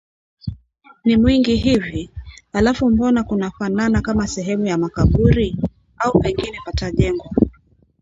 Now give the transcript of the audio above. Ni mwingi hivi? Alafu mbona kunafanana kama sehemu ya makaburi? Au pengine patajengwa